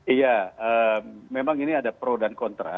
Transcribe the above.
iya memang ini ada pro dan kontra